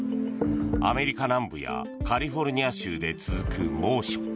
アメリカ南部やカリフォルニア州で続く猛暑。